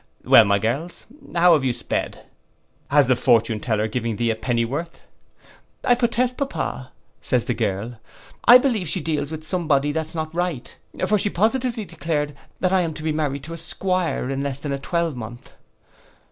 —'Well, my girls, how have you sped? Tell me, Livy, has the fortune teller given thee a pennyworth?'—'I protest, pappa,' says the girl, 'I believe she deals with some body that's not right; for she positively declared, that I am to be married to a 'Squire in less than a twelvemonth!